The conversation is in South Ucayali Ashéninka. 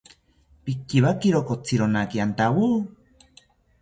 Pikiwakiro kotzironaki antawo